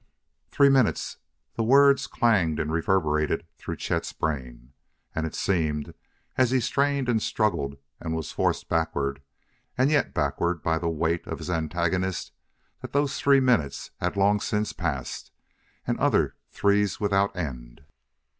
"Three minutes!" The words clanged and reverberated through Chet's brain. And it seemed, as he strained and struggled and was forced backward and yet backward by the weight of his antagonist, that those three minutes had long since passed, and other three's without end.